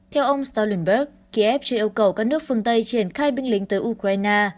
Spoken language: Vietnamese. theo ông stolenberg kiev chưa yêu cầu các nước phương tây triển khai binh lính tới ukraine